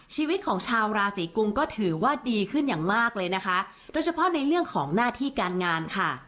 ชีวิตของชาวราศีกุมก็ถือว่าดีขึ้นอย่างมากเลยนะคะโดยเฉพาะในเรื่องของหน้าที่การงานค่ะ